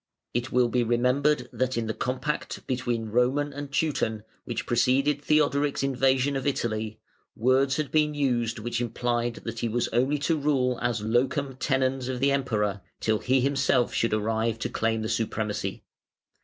It will be remembered that in the compact between Roman and Teuton, which preceded Theodoric's invasion of Italy, words had been used which implied that he was only to rule as "locum tenens" of the Emperor till he himself should arrive to claim the supremacy.